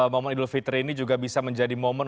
momen idul fitri ini juga bisa menjadi momen